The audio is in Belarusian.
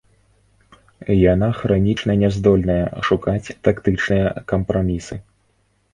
Яна хранічна не здольная шукаць тактычныя кампрамісы.